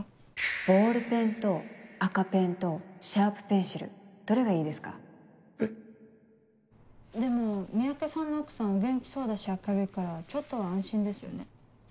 ボールペンと赤ペンとシャープペンシルでも三宅さんの奥さんお元気そうだし明るいからちょっとは安心ですよね。